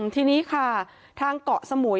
ทีนี้ค่ะทางเกาะสมุย